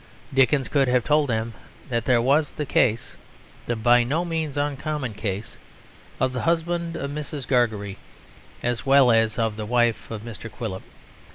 Dickens could have told them that there was the case (the by no means uncommon case) of the husband of Mrs. Gargery as well as of the wife of Mr. Quilp.